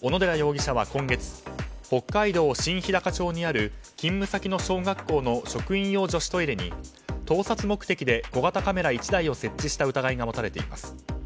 小野寺容疑者は今月北海道新ひだか町にある勤務先の小学校の職員用女子トイレに盗撮目的で小型カメラ１台を設置した疑いが持たれています。